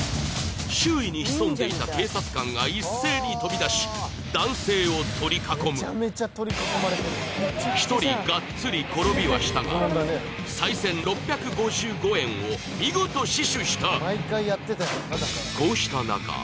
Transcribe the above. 周囲に潜んでいた警察官が一斉に飛び出し男性を取り囲む１人ガッツリ転びはしたが賽銭６５５円を見事死守した